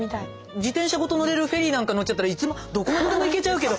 自転車ごと乗れるフェリーなんか乗っちゃったらどこまででも行けちゃうけど。